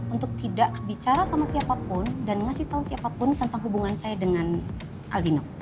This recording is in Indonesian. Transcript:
untuk tidak bicara sama siapapun dan ngasih tahu siapapun tentang hubungan saya dengan aldino